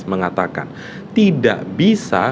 mengatakan tidak bisa